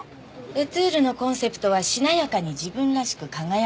『エトゥール』のコンセプトは「しなやかに自分らしく輝く私」。